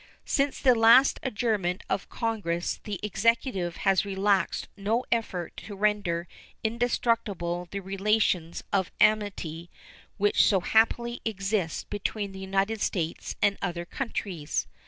Since the last adjournment of Congress the Executive has relaxed no effort to render indestructible the relations of amity which so happily exist between the United States and other countries.